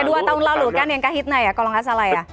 kedua tahun lalu kan yang kak hitna ya kalau nggak salah ya